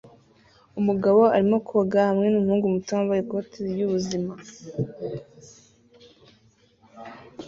Umugabo arimo koga hamwe numuhungu muto wambaye ikoti ryubuzima